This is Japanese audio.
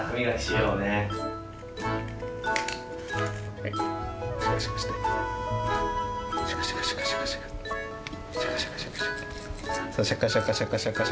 そうシャカシャカシャカシャカシャカ。